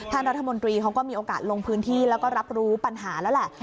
ท่านรัฐมนตรีเขาก็มีโอกาสลงพื้นที่แล้วก็รับรู้ปัญหาแล้วแหละ